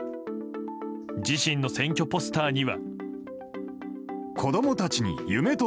自身の選挙ポスターには。